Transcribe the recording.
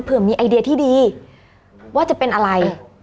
เพื่อมีไอเดียที่ดีว่าจะเป็นอะไร